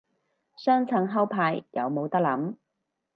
上層後排有冇得諗